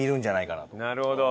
なるほど。